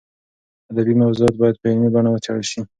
ادبي موضوعات باید په علمي بڼه وڅېړل شي.